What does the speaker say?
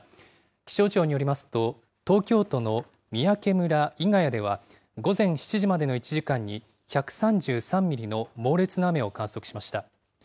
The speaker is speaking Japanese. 気象庁によりますと、東京都の三宅村伊ヶ谷では、午前７時までの１時間に、１３３ミリの猛烈な雨を観測しました。